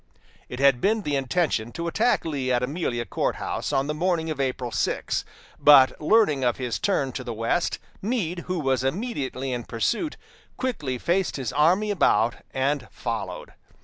It had been the intention to attack Lee at Amelia Court House on the morning of April 6, but learning of his turn to the west, Meade, who was immediately in pursuit, quickly faced his army about and followed.